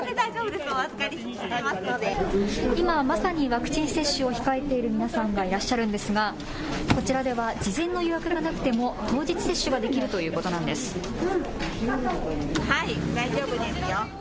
今まさにワクチン接種を控えている皆さんがいらっしゃるんですがこちらでは事前の予約がなくても当日接種ができるということなんです。